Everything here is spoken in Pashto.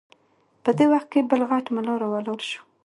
په دې وخت کې بل غټ ملا راولاړ شو.